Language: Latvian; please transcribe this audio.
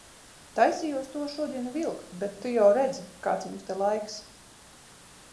Taisījos to šodien vilkt, bet tu jau redzi, kāds mums te laiks.